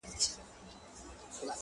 o چي تېر سوه، هغه هېر سوه٫